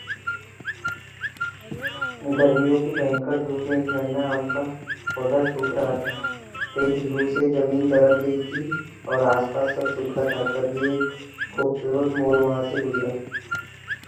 These pressure differences arise in conjunction with the curved air flow.